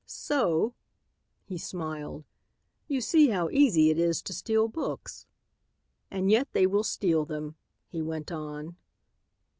So," he smiled, "you see how easy it is to steal books. "And yet they will steal them," he went on.